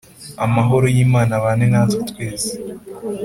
Amahoro yimana abane natwe twese